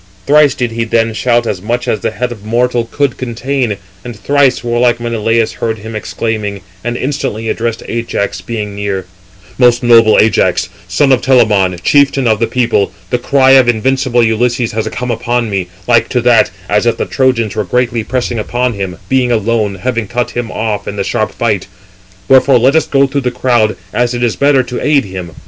Thrice did he then shout as much as the head of mortal could contain, and thrice warlike Menelaus heard him exclaiming, and instantly addressed Ajax, being near: "Most noble Ajax, son of Telamon, chieftain of the people, the cry of invincible Ulysses has come upon me, like to that, as if the Trojans were greatly pressing upon him, being alone, having cut him off in the sharp fight. Wherefore let us go through the crowd, as it is better to aid him.